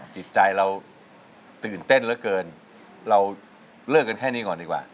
จิตใจเราตื่นเต้นเหลือเกินเราเลิกกันแค่นี้ก่อนดีกว่า